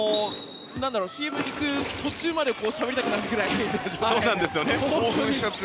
ＣＭに行く途中までしゃべりたくなるくらい興奮しちゃって。